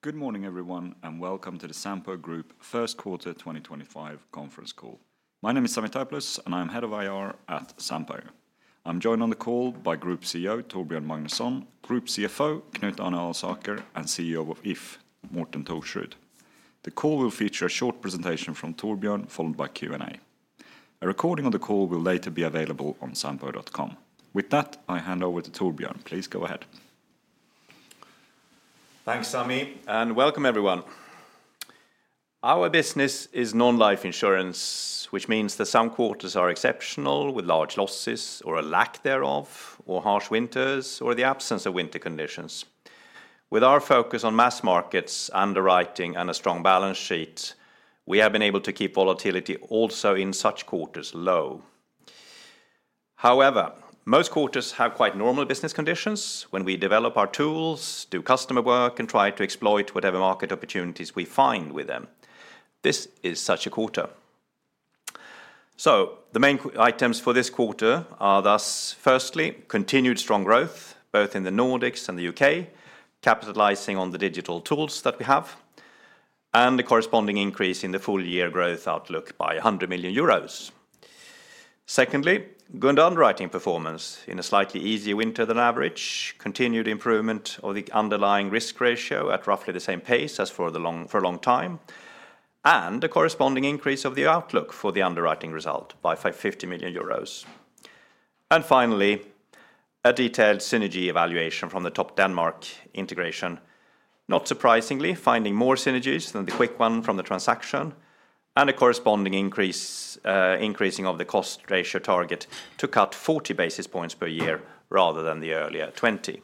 Good morning, everyone, and welcome to the Sampo Group First Quarter 2025 Conference Call. My name is Sami Taipalus, and I'm Head of IR at Sampo. I'm joined on the call by Group CEO Torbjörn Magnusson, Group CFO Knut Alsaker, and CEO of If, Morten Thorsrud. The call will feature a short presentation from Torbjörn, followed by Q&A. A recording of the call will later be available on sampo.com. With that, I hand over to Torbjörn. Please go ahead. Thanks, Sami, and welcome, everyone. Our business is non-life insurance, which means that some quarters are exceptional, with large losses or a lack thereof, or harsh winters, or the absence of winter conditions. With our focus on mass markets, underwriting, and a strong balance sheet, we have been able to keep volatility also in such quarters low. However, most quarters have quite normal business conditions when we develop our tools, do customer work, and try to exploit whatever market opportunities we find with them. This is such a quarter. The main items for this quarter are thus, firstly, continued strong growth, both in the Nordics and the U.K., capitalizing on the digital tools that we have, and the corresponding increase in the full-year growth outlook by 100 million euros. Secondly, good underwriting performance in a slightly easier winter than average, continued improvement of the underlying risk ratio at roughly the same pace as for a long time, and a corresponding increase of the outlook for the underwriting result by 50 million euros. Finally, a detailed synergy evaluation from the Topdanmark integration, not surprisingly finding more synergies than the quick one from the transaction, and a corresponding increasing of the cost ratio target to cut 40 basis points per year rather than the earlier 20.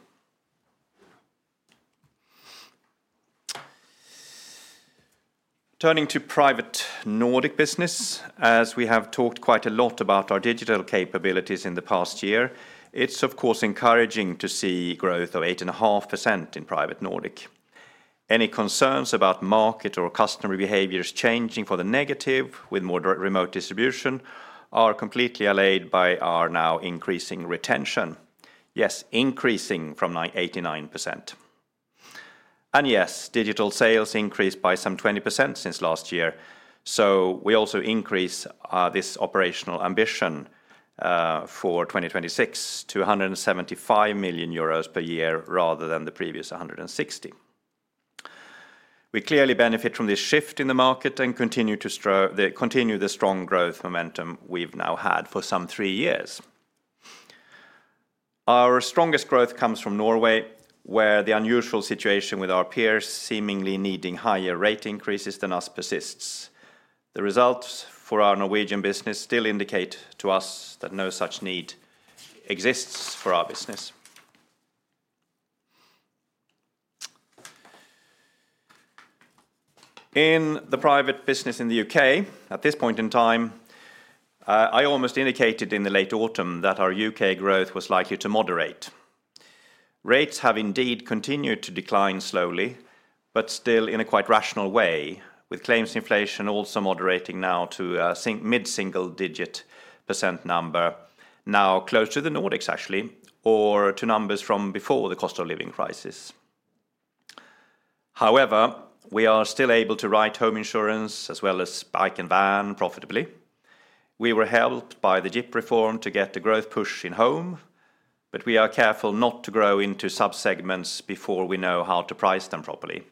Turning to private Nordic business, as we have talked quite a lot about our digital capabilities in the past year, it is, of course, encouraging to see growth of 8.5% in private Nordic. Any concerns about market or customer behaviors changing for the negative with more remote distribution are completely allayed by our now increasing retention. Yes, increasing from 89%. Yes, digital sales increased by some 20% since last year. We also increase this operational ambition for 2026 to 175 million euros per year rather than the previous 160 million. We clearly benefit from this shift in the market and continue the strong growth momentum we have now had for some three years. Our strongest growth comes from Norway, where the unusual situation with our peers seemingly needing higher rate increases than us persists. The results for our Norwegian business still indicate to us that no such need exists for our business. In the private business in the U.K., at this point in time, I almost indicated in the late autumn that our U.K. growth was likely to moderate. Rates have indeed continued to decline slowly, but still in a quite rational way, with claims inflation also moderating now to a mid-single-digit percentage number, now close to the Nordics, actually, or to numbers from before the cost of living crisis. However, we are still able to write home insurance as well as bike and van profitably. We were helped by the GP reform to get the growth push in home, but we are careful not to grow into subsegments before we know how to price them properly.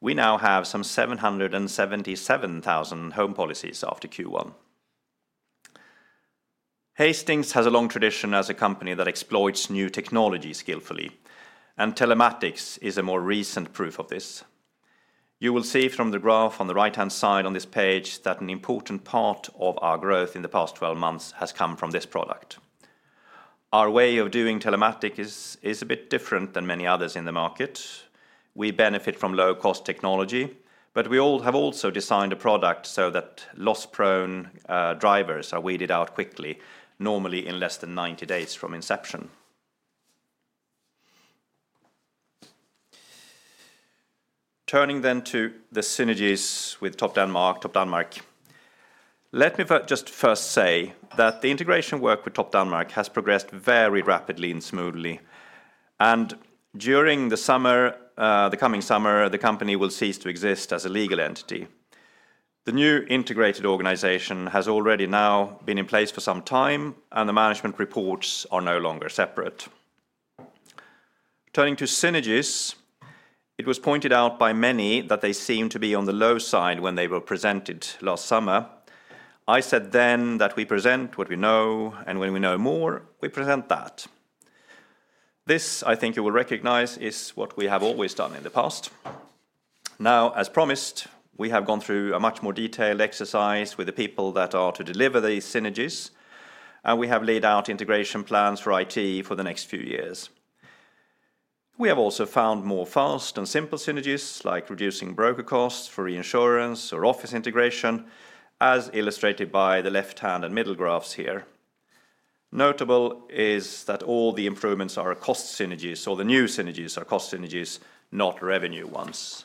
We now have some 777,000 home policies after Q1. Hastings has a long tradition as a company that exploits new technology skillfully, and Telematics is a more recent proof of this. You will see from the graph on the right-hand side on this page that an important part of our growth in the past 12 months has come from this product. Our way of doing telematics is a bit different than many others in the market. We benefit from low-cost technology, but we have also designed a product so that loss-prone drivers are weeded out quickly, normally in less than 90 days from inception. Turning then to the synergies with Topdanmark, let me just first say that the integration work with Topdanmark has progressed very rapidly and smoothly. During the coming summer, the company will cease to exist as a legal entity. The new integrated organization has already now been in place for some time, and the management reports are no longer separate. Turning to synergies, it was pointed out by many that they seem to be on the low side when they were presented last summer. I said then that we present what we know, and when we know more, we present that. This, I think you will recognize, is what we have always done in the past. Now, as promised, we have gone through a much more detailed exercise with the people that are to deliver these synergies, and we have laid out integration plans for IT for the next few years. We have also found more fast and simple synergies, like reducing broker costs for reinsurance or office integration, as illustrated by the left-hand and middle graphs here. Notable is that all the improvements are cost synergies, or the new synergies are cost synergies, not revenue ones.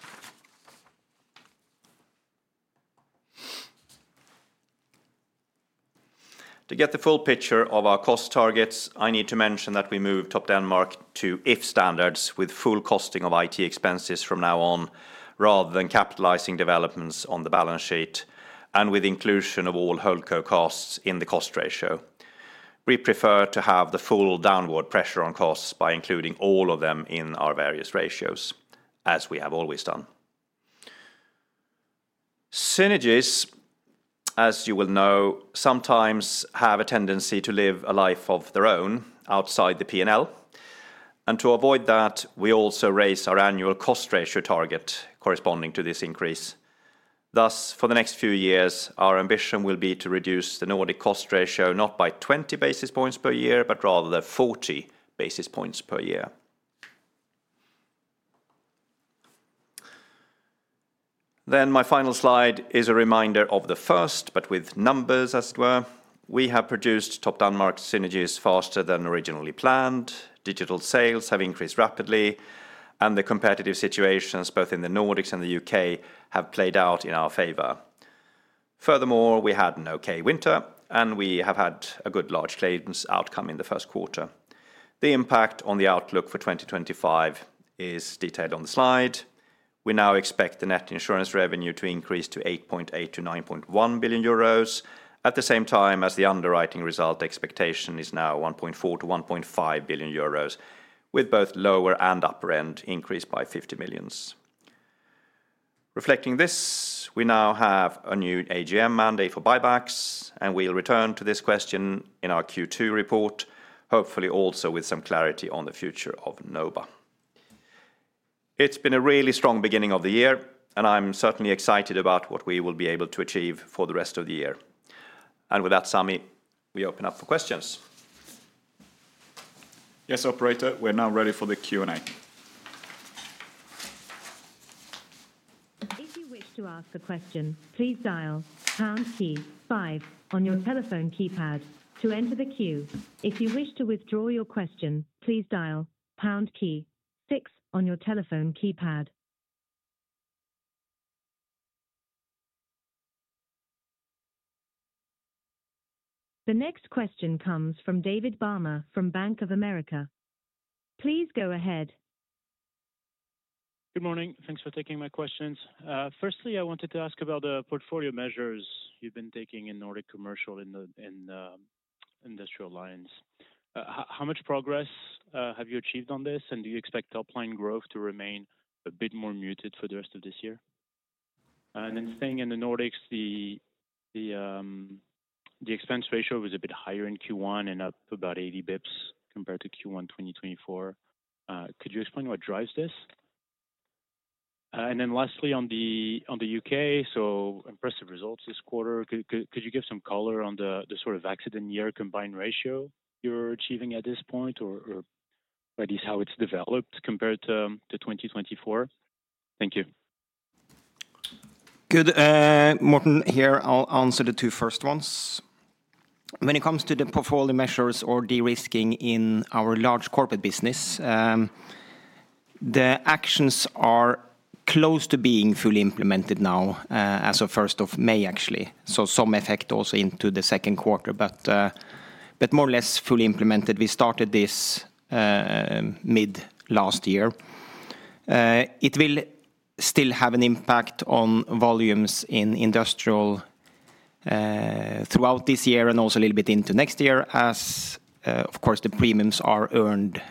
To get the full picture of our cost targets, I need to mention that we moved Topdanmark toIf standards with full costing of IT expenses from now on, rather than capitalizing developments on the balance sheet and with inclusion of all Hulco costs in the cost ratio. We prefer to have the full downward pressure on costs by including all of them in our various ratios, as we have always done. Synergies, as you will know, sometimes have a tendency to live a life of their own outside the P&L. To avoid that, we also raise our annual cost ratio target corresponding to this increase. Thus, for the next few years, our ambition will be to reduce the Nordic cost ratio not by 20 basis points per year, but rather 40 basis points per year. My final slide is a reminder of the first, but with numbers, as it were. We have produced Topdanmark synergies faster than originally planned. Digital sales have increased rapidly, and the competitive situations both in the Nordics and the U.K. have played out in our favor. Furthermore, we had an okay winter, and we have had a good large cadence outcome in the first quarter. The impact on the outlook for 2025 is detailed on the slide. We now expect the net insurance revenue to increase to 8.8 billion-9.1 billion euros, at the same time as the underwriting result expectation is now 1.4 billion-1.5 billion euros, with both lower and upper end increased by 50 million. Reflecting this, we now have a new AGM mandate for buybacks, and we'll return to this question in our Q2 report, hopefully also with some clarity on the future of NOBA. It's been a really strong beginning of the year, and I'm certainly excited about what we will be able to achieve for the rest of the year. With that, Sami, we open up for questions. Yes, operator, we're now ready for the Q&A. If you wish to ask a question, please dial number five on your telephone keypad to enter the queue. If you wish to withdraw your question, please dial number six on your telephone keypad. The next question comes from David Barma from Bank of America. Please go ahead. Good morning. Thanks for taking my questions. Firstly, I wanted to ask about the portfolio measures you've been taking in Nordic commercial and industrial lines. How much progress have you achieved on this, and do you expect upline growth to remain a bit more muted for the rest of this year? Staying in the Nordics, the expense ratio was a bit higher in Q1 and up about 80 basis points compared to Q1 2024. Could you explain what drives this? Lastly, on the U.K., impressive results this quarter. Could you give some color on the sort of exit and year combined ratio you're achieving at this point, or at least how it's developed compared to 2024? Thank you. Good. Morten here. I'll answer the two first ones. When it comes to the portfolio measures or de-risking in our large corporate business, the actions are close to being fully implemented now, as of 1st of May, actually. Some effect also into the second quarter, but more or less fully implemented. We started this mid-last year. It will still have an impact on volumes in industrial throughout this year and also a little bit into next year, as of course, the premiums are earned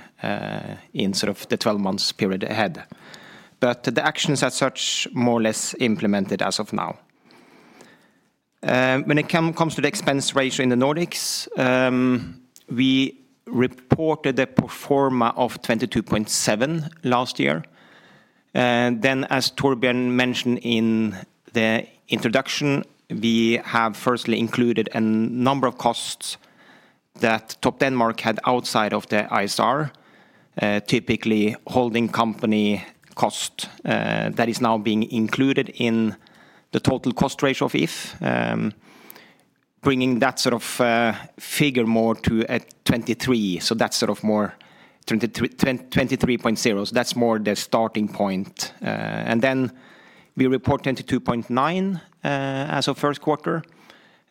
in sort of the 12-month period ahead. The actions are such more or less implemented as of now. When it comes to the expense ratio in the Nordics, we reported the proforma of 22.7 last year. As Torbjörn mentioned in the introduction, we have firstly included a number of costs that Topdanmark had outside of the ISR, typically holding company cost that is now being included in the total cost ratio of If, bringing that sort of figure more to a 23. So that is sort of more 23.0. That is more the starting point. We report 22.9 as of first quarter,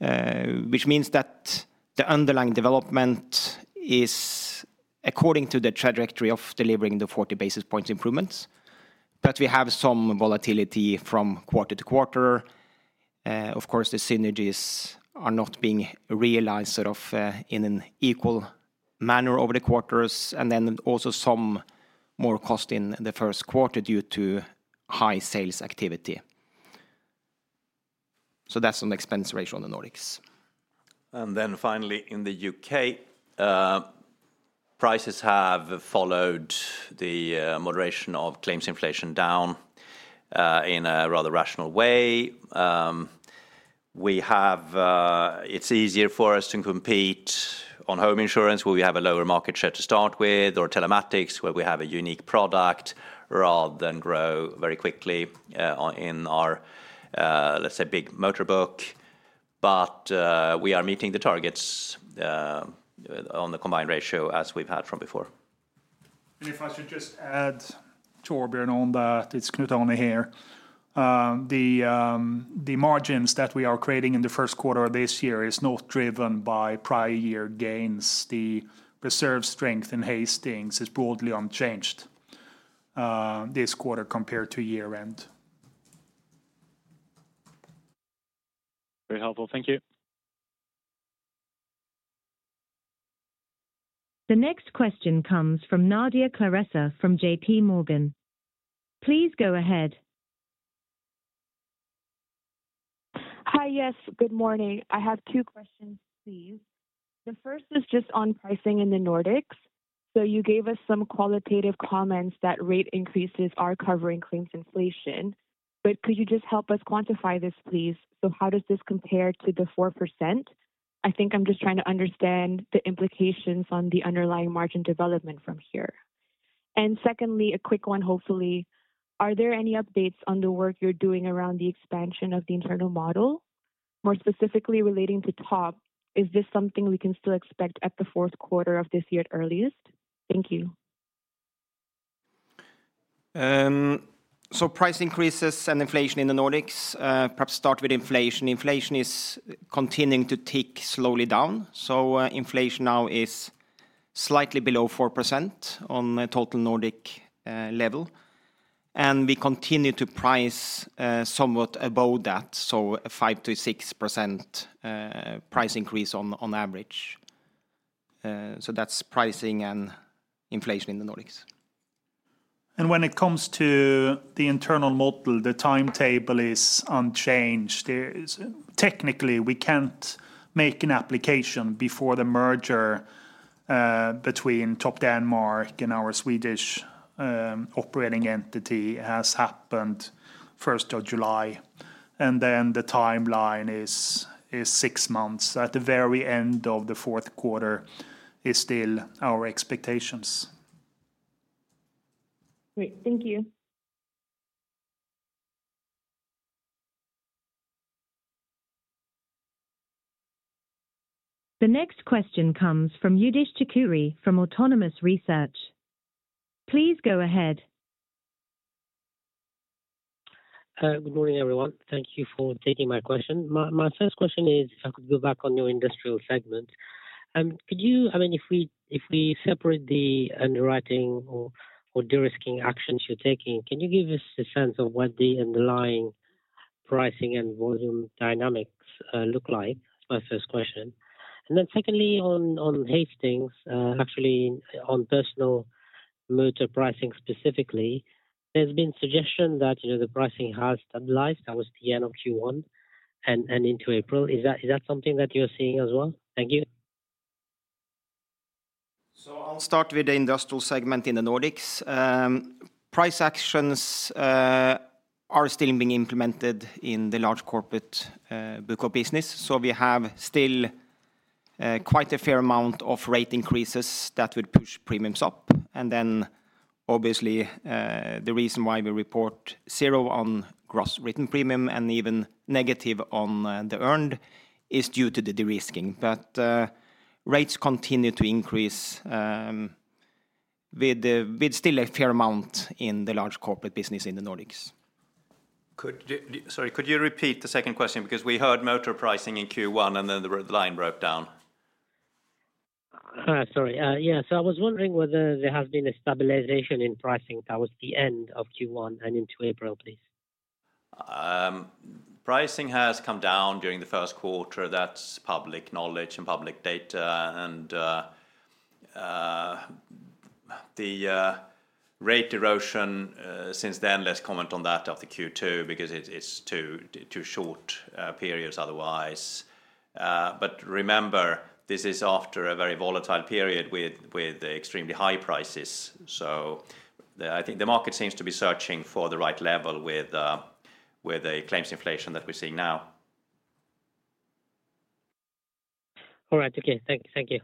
which means that the underlying development is according to the trajectory of delivering the 40 basis points improvements. We have some volatility from quarter to quarter. Of course, the synergies are not being realized in an equal manner over the quarters, and also some more cost in the first quarter due to high sales activity. That is on the expense ratio in the Nordics. Finally, in the U.K., prices have followed the moderation of claims inflation down in a rather rational way. It is easier for us to compete on home insurance, where we have a lower market share to start with, or telematics, where we have a unique product rather than grow very quickly in our, let's say, big motor book. We are meeting the targets on the combined ratio as we've had from before. If I should just add, Torbjörn on that, it's Knut Alsaker here. The margins that we are creating in the first quarter of this year is not driven by prior year gains. The preserved strength in Hastings is broadly unchanged this quarter compared to year-end. Very helpful. Thank you. The next question comes from Nadia Claressa from JPMorgan. Please go ahead. Hi, yes, good morning. I have two questions, please. The first is just on pricing in the Nordics. You gave us some qualitative comments that rate increases are covering claims inflation. Could you just help us quantify this, please? How does this compare to the 4%? I think I'm just trying to understand the implications on the underlying margin development from here. Secondly, a quick one, hopefully. Are there any updates on the work you're doing around the expansion of the internal model? More specifically relating to Topdanmark, is this something we can still expect at the fourth quarter of this year at earliest? Thank you. Price increases and inflation in the Nordics, perhaps start with inflation. Inflation is continuing to tick slowly down. Inflation now is slightly below 4% on the total Nordic level. We continue to price somewhat above that, so 5%-6% price increase on average. That is pricing and inflation in the Nordics. When it comes to the internal model, the timetable is unchanged. Technically, we can't make an application before the merger between Topdanmark and our Swedish operating entity has happened 1st of July. The timeline is six months. At the very end of the fourth quarter is still our expectations. Great. Thank you. The next question comes from Youdish Chicooree from Autonomous Research. Please go ahead. Good morning, everyone. Thank you for taking my question. My first question is, if I could go back on your industrial segment, could you, I mean, if we separate the underwriting or de-risking actions you're taking, can you give us a sense of what the underlying pricing and volume dynamics look like as my first question? Secondly, on Hastings, actually on personal motor pricing specifically, there's been suggestion that the pricing has stabilized. That was the end of Q1 and into April. Is that something that you're seeing as well? Thank you. I'll start with the industrial segment in the Nordics. Price actions are still being implemented in the large corporate book of business. We have still quite a fair amount of rate increases that would push premiums up. Obviously, the reason why we report zero on gross written premium and even negative on the earned is due to the de-risking. Rates continue to increase with still a fair amount in the large corporate business in the Nordics. Sorry, could you repeat the second question? Because we heard motor pricing in Q1 and then the line broke down. Sorry. Yeah, I was wondering whether there has been a stabilization in pricing. That was the end of Q1 and into April, please. Pricing has come down during the first quarter. That is public knowledge and public data. The rate erosion since then, let's comment on that after Q2, because it is two short periods otherwise. Remember, this is after a very volatile period with extremely high prices. I think the market seems to be searching for the right level with the claims inflation that we are seeing now. All right. Okay. Thank you.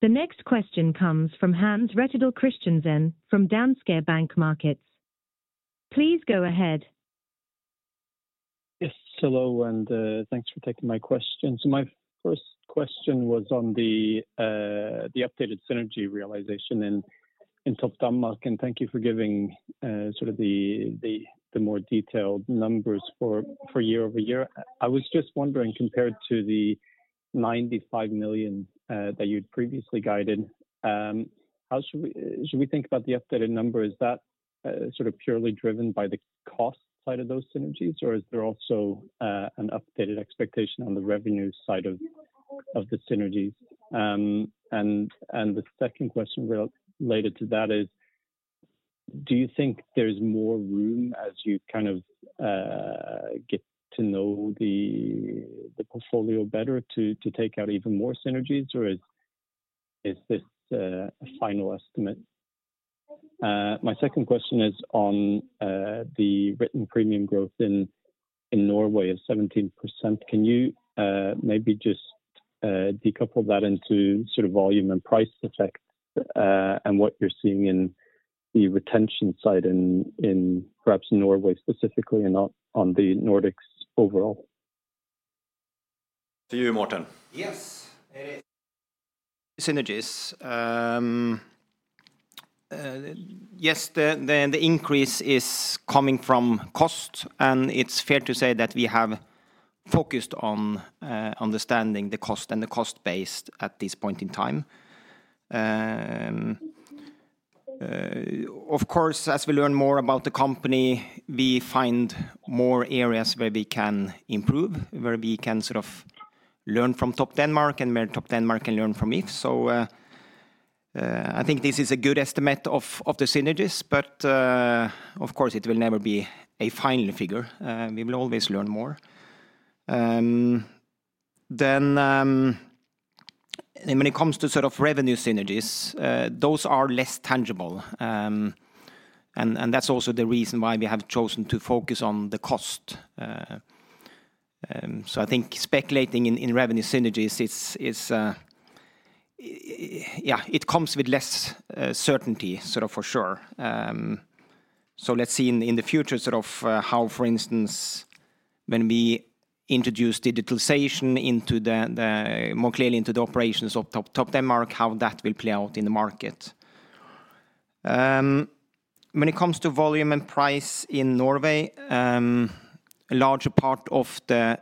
The next question comes from Hans Rettedal Christiansen from Danske Bank Markets. Please go ahead. Yes, hello, and thanks for taking my question. My first question was on the updated synergy realization in Topdanmark, and thank you for giving sort of the more detailed numbers for year-over-year. I was just wondering, compared to the 95 million that you'd previously guided, how should we think about the updated number? Is that sort of purely driven by the cost side of those synergies, or is there also an updated expectation on the revenue side of the synergies? The second question related to that is, do you think there's more room as you kind of get to know the portfolio better to take out even more synergies, or is this a final estimate? My second question is on the written premium growth in Norway of 17%. Can you maybe just decouple that into sort of volume and price effects and what you're seeing in the retention side in perhaps Norway specifically and not on the Nordics overall? To you, Morten. Yes. Synergies. Yes, the increase is coming from cost, and it's fair to say that we have focused on understanding the cost and the cost base at this point in time. Of course, as we learn more about the company, we find more areas where we can improve, where we can sort of learn from Topdanmark and where Topdanmark can learn fromIf. I think this is a good estimate of the synergies, but of course, it will never be a final figure. We will always learn more. When it comes to sort of revenue synergies, those are less tangible. That is also the reason why we have chosen to focus on the cost. I think speculating in revenue synergies, yeah, it comes with less certainty for sure. Let's see in the future sort of how, for instance, when we introduce digitalization more clearly into the operations of Topdanmark, how that will play out in the market. When it comes to volume and price in Norway, a larger part of the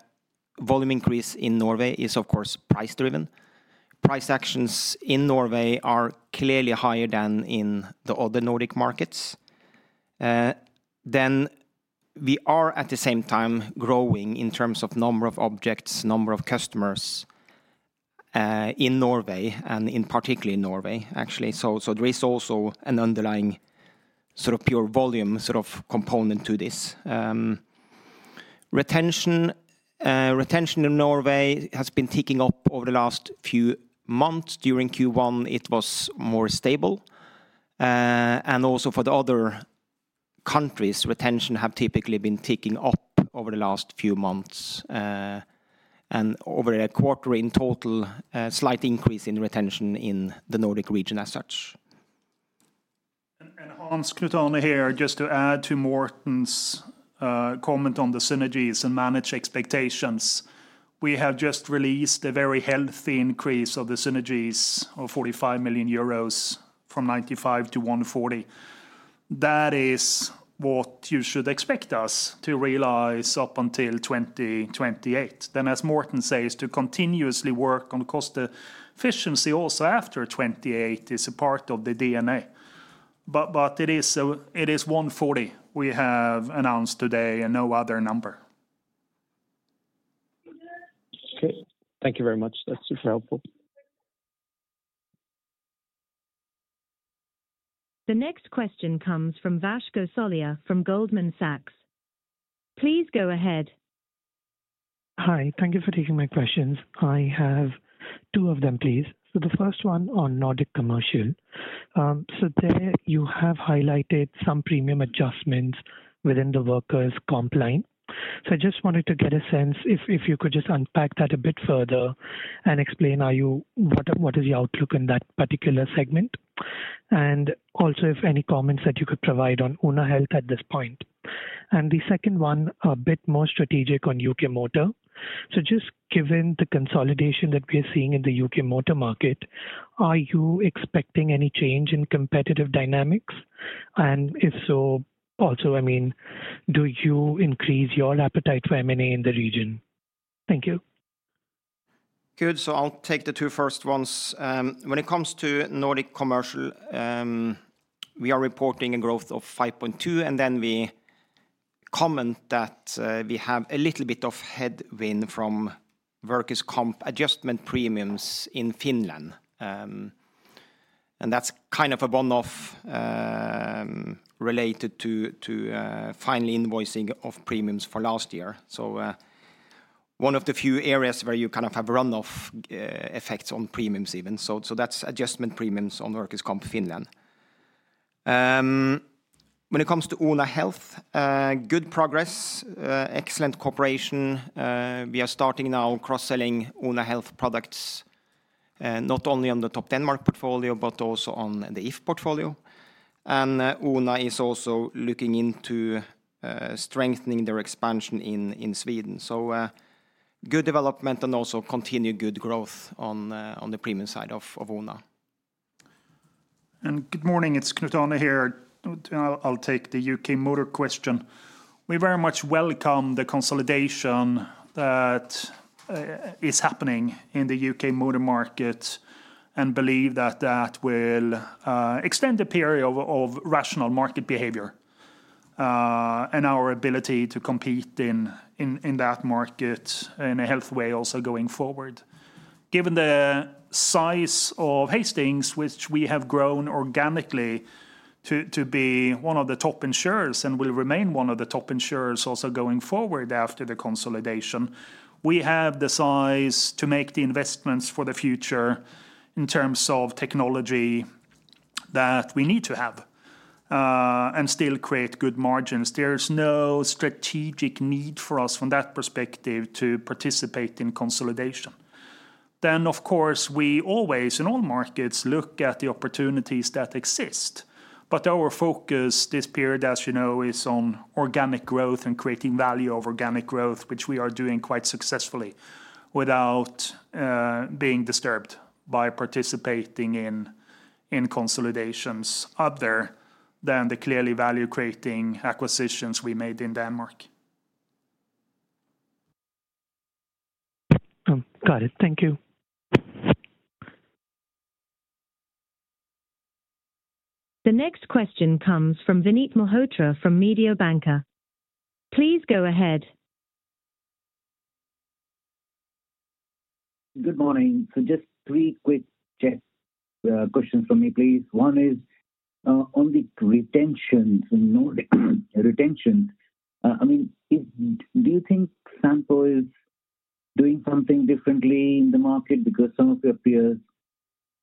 volume increase in Norway is, of course, price-driven. Price actions in Norway are clearly higher than in the other Nordic markets. We are at the same time growing in terms of number of objects, number of customers in Norway, and in particular in Norway, actually. There is also an underlying sort of pure volume sort of component to this. Retention in Norway has been ticking up over the last few months. During Q1, it was more stable. Also for the other countries, retention has typically been ticking up over the last few months. Over a quarter in total, slight increase in retention in the Nordic region as such. Knut Alsaker here, just to add to Morten's comment on the synergies and manage expectations, we have just released a very healthy increase of the synergies of 45 million euros from 95 million to 140 million. That is what you should expect us to realize up until 2028. As Morten says, to continuously work on cost efficiency also after 2028 is a part of the DNA. It is 140 million we have announced today and no other number. Okay. Thank you very much. That's super helpful. The next question comes from Vash Gosalia from Goldman Sachs. Please go ahead. Hi. Thank you for taking my questions. I have two of them, please. The first one on Nordic commercial. There you have highlighted some premium adjustments within the workers' comp line. I just wanted to get a sense if you could unpack that a bit further and explain what is your outlook in that particular segment. Also, if any comments that you could provide on Oona Health at this point. The second one, a bit more strategic, on U.K. motor. Given the consolidation that we are seeing in the U.K. motor market, are you expecting any change in competitive dynamics? If so, also, I mean, do you increase your appetite for M&A in the region? Thank you. Good. I'll take the two first ones. When it comes to Nordic commercial, we are reporting a growth of 5.2, and we comment that we have a little bit of headwind from workers' comp adjustment premiums in Finland. That's kind of a one-off related to final invoicing of premiums for last year. One of the few areas where you have run-off effects on premiums even. That's adjustment premiums on workers' comp Finland. When it comes to Oona Health, good progress, excellent cooperation. We are starting now cross-selling Oona Health products not only on the Topdanmark portfolio, but also on theIf portfolio. Oona is also looking into strengthening their expansion in Sweden. Good development and also continued good growth on the premium side of Oona. Good morning. It's Knut Alsaker here. I'll take the U.K. motor question. We very much welcome the consolidation that is happening in the U.K. motor market and believe that that will extend the period of rational market behavior and our ability to compete in that market in a healthy way also going forward. Given the size of Hastings, which we have grown organically to be one of the top insurers and will remain one of the top insurers also going forward after the consolidation, we have the size to make the investments for the future in terms of technology that we need to have and still create good margins. There is no strategic need for us from that perspective to participate in consolidation. Of course, we always, in all markets, look at the opportunities that exist. Our focus this period, as you know, is on organic growth and creating value of organic growth, which we are doing quite successfully without being disturbed by participating in consolidations other than the clearly value-creating acquisitions we made in Denmark. Got it. Thank you. The next question comes from Vineet Malhotra from Mediobanca. Please go ahead. Good morning. Just three quick questions from me, please. One is on the retentions. I mean, do you think Sampo is doing something differently in the market because some of your peers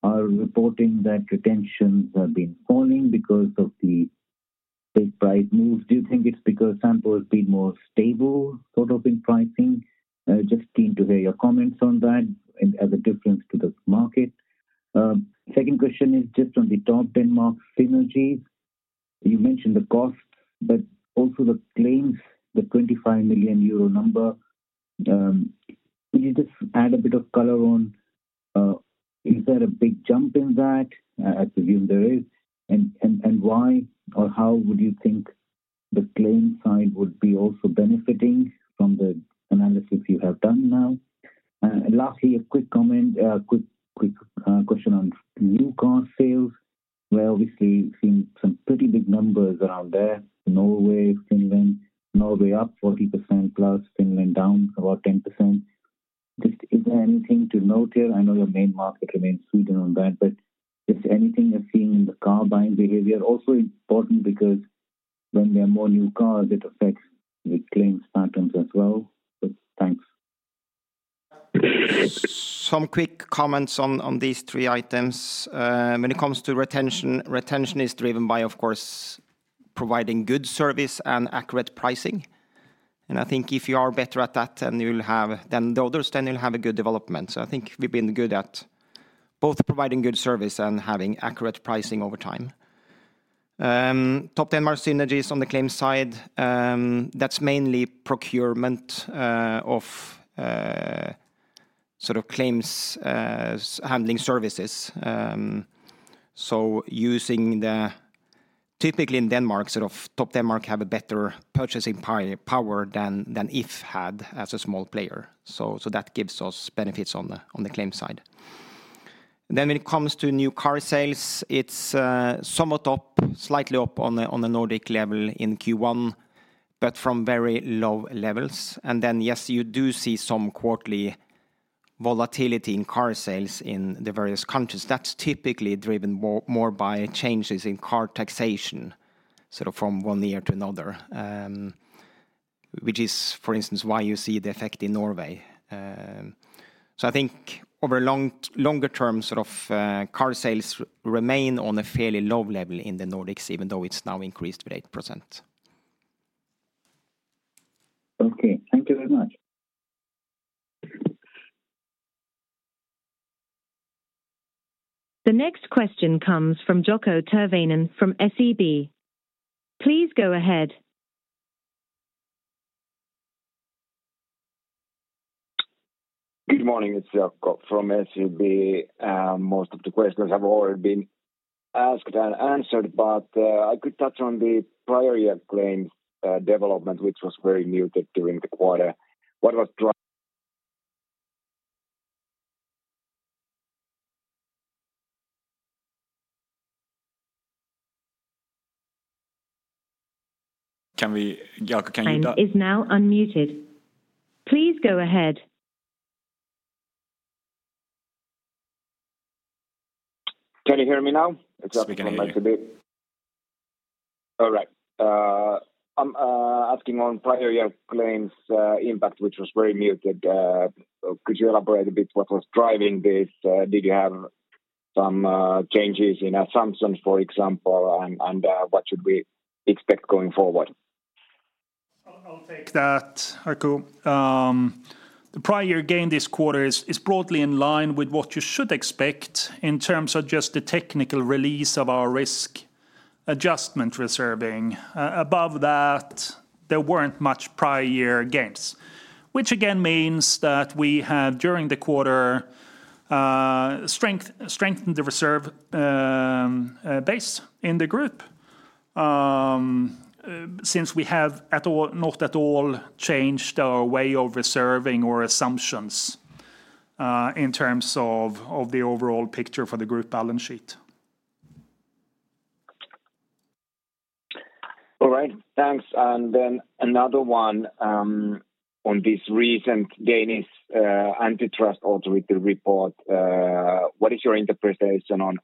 are reporting that retentions are falling because of the big price moves? Do you think it's because Sampo has been more stable sort of in pricing? Just keen to hear your comments on that as a difference to the market. Second question is just on the Topdanmark synergies. You mentioned the costs, but also the claims, the 25 million euro number. Could you just add a bit of color on? Is there a big jump in that? I presume there is. Why or how would you think the claim side would be also benefiting from the analysis you have done now? Lastly, a quick comment, quick question on new car sales. We're obviously seeing some pretty big numbers around there. Norway, Finland, Norway up 40%+, Finland down about 10%. Just is there anything to note here? I know your main market remains Sweden on that, but just anything you're seeing in the car buying behavior? Also important because when there are more new cars, it affects the claims patterns as well. Thanks. Some quick comments on these three items. When it comes to retention, retention is driven by, of course, providing good service and accurate pricing. I think if you are better at that, then the others then will have a good development. I think we've been good at both providing good service and having accurate pricing over time. Topdanmark synergies on the claim side, that's mainly procurement of sort of claims handling services. Using the typically in Denmark, sort of Topdanmark have a better purchasing power thanIf had as a small player. That gives us benefits on the claim side. When it comes to new car sales, it's somewhat up, slightly up on the Nordic level in Q1, but from very low levels. Yes, you do see some quarterly volatility in car sales in the various countries. That's typically driven more by changes in car taxation sort of from one year to another, which is, for instance, why you see the effect in Norway. I think over a longer term, sort of car sales remain on a fairly low level in the Nordics, even though it's now increased with 8%. Okay. Thank you very much. The next question comes from Jaakko Tyrväinen from SEB. Please go ahead. Good morning. It's Jaakko from SEB. Most of the questions have already been asked and answered, but I could touch on the prior year claims development, which was very muted during the quarter. He is now unmuted. Please go ahead. Can you hear me now? Yes, we can. All right. Asking on prior year claims impact, which was very muted. Could you elaborate a bit what was driving this? Did you have some changes in assumptions, for example, and what should we expect going forward? I'll take that. The prior year gain this quarter is broadly in line with what you should expect in terms of just the technical release of our risk adjustment reserving. Above that, there were not much prior year gains, which again means that we have during the quarter strengthened the reserve base in the group since we have not at all changed our way of reserving or assumptions in terms of the overall picture for the group balance sheet. All right. Thanks. Another one on this recent Danish antitrust authority report. What is your interpretation on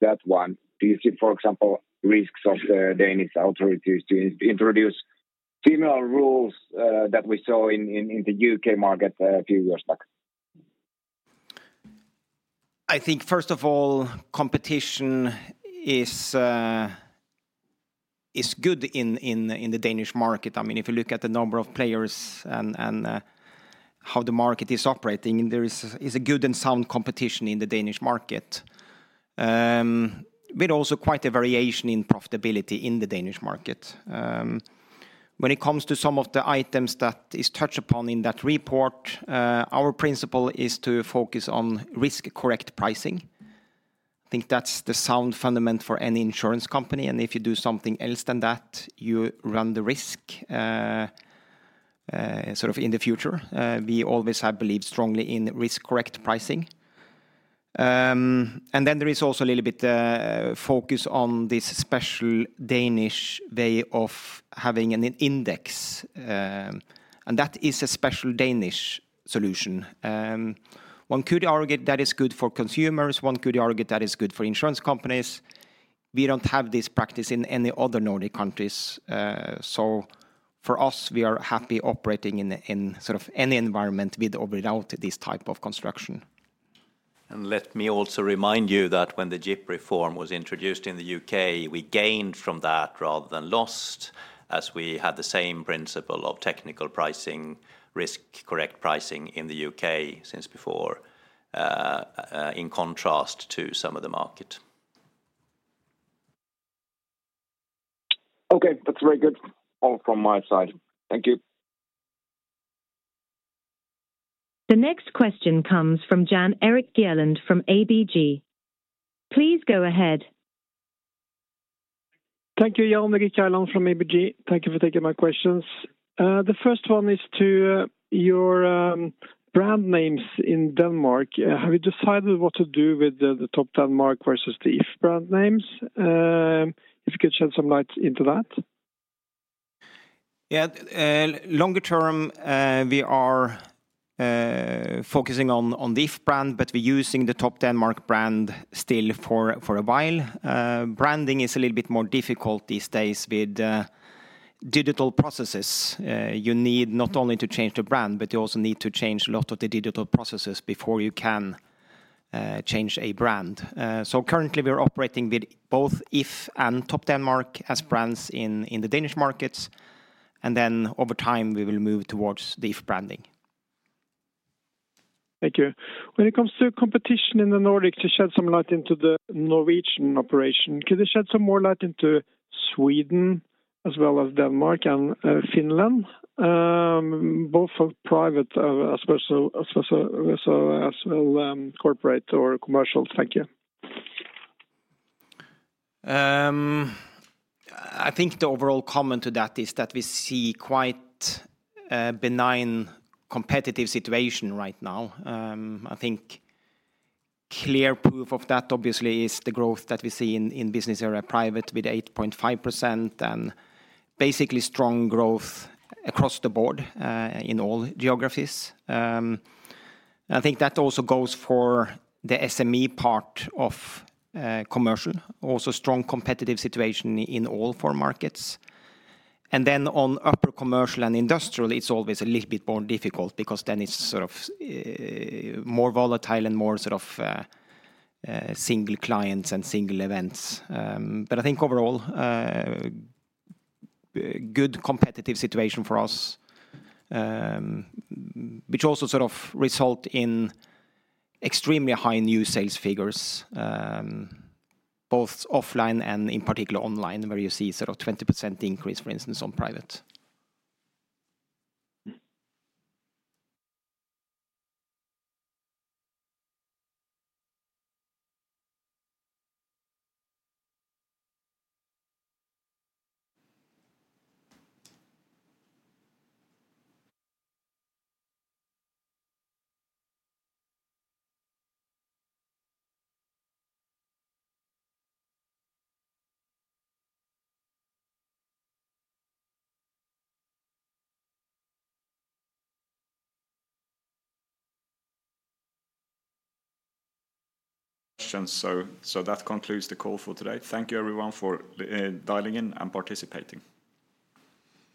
that one? Do you see, for example, risks of the Danish authorities to introduce similar rules that we saw in the U.K. market a few years back? I think, first of all, competition is good in the Danish market. I mean, if you look at the number of players and how the market is operating, there is a good and sound competition in the Danish market, but also quite a variation in profitability in the Danish market. When it comes to some of the items that are touched upon in that report, our principle is to focus on risk-correct pricing. I think that's the sound fundament for any insurance company. If you do something else than that, you run the risk sort of in the future. We always have believed strongly in risk-correct pricing. There is also a little bit of focus on this special Danish way of having an index. That is a special Danish solution. One could argue that is good for consumers. One could argue that is good for insurance companies. We do not have this practice in any other Nordic countries. For us, we are happy operating in sort of any environment with or without this type of construction. Let me also remind you that when the GP reform was introduced in the U.K., we gained from that rather than lost, as we had the same principle of technical pricing, risk-correct pricing in the U.K. since before, in contrast to some of the market. Okay. That's very good. All from my side. Thank you. The next question comes from Jan Erik Gjerland from ABG. Please go ahead. Thank you. Jan Erik Geirlend from ABG. Thank you for taking my questions. The first one is to your brand names in Denmark. Have you decided what to do with the Topdanmark versus theIf brand names? If you could shed some light into that. Yeah. Longer term, we are focusing on theIf brand, but we're using the Topdanmark brand still for a while. Branding is a little bit more difficult these days with digital processes. You need not only to change the brand, but you also need to change a lot of the digital processes before you can change a brand. Currently, we are operating with bothIf and Topdanmark as brands in the Danish markets. Over time, we will move towards theIf branding. Thank you. When it comes to competition in the Nordics, to shed some light into the Norwegian operation, could you shed some more light into Sweden as well as Denmark and Finland, both private as well as corporate or commercial? Thank you. I think the overall comment to that is that we see quite a benign competitive situation right now. I think clear proof of that, obviously, is the growth that we see in business area private with 8.5% and basically strong growth across the board in all geographies. I think that also goes for the SME part of commercial, also strong competitive situation in all four markets. On upper commercial and industrial, it's always a little bit more difficult because then it's sort of more volatile and more sort of single clients and single events. I think overall, good competitive situation for us, which also sort of results in extremely high new sales figures, both offline and in particular online, where you see sort of 20% increase, for instance, on private. That concludes the call for today. Thank you, everyone, for dialing in and participating.